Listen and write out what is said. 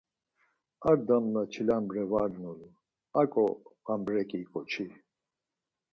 Ar damla çilambre var nulu, aǩo abreǩi ǩoçi.